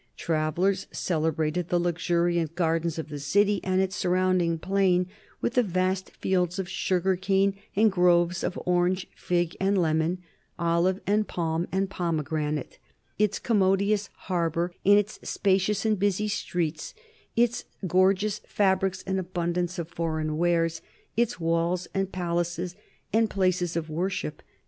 Travel lers celebrated the luxuriant gardens of the city and its surrounding plain, with the vast fields of sugar cane and groves of orange, fig, and lemon, olive and palm and pomegranate, its commodious harbor and its spacious and busy streets, its gorgeous fabrics and abundance of foreign wares, its walls and palaces and places of wor ship.